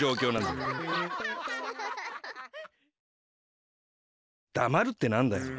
だまるってなんだよ。